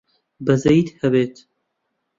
بەزەییت هەبێت!